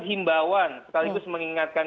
himbawan sekaligus mengingatkan